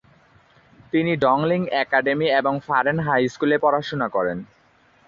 তিনি Donglin academy এবং Faren high স্কুলে পড়াশোনা করেন।